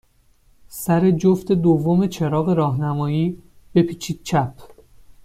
سر جفت دوم چراغ راهنمایی، بپیچید چپ.